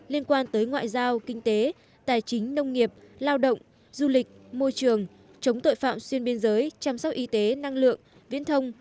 liên quan tới ngoại giao kinh tế tài chính nông nghiệp lao động du lịch môi trường chống tội phạm xuyên biên giới chăm sóc y tế năng lượng viễn thông